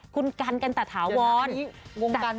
คุณกันกันตัดหาวรรดิ